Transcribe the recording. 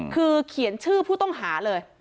คือเขียนชื่อผู้ต้องหาเลย